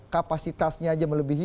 kapasitasnya aja melebihi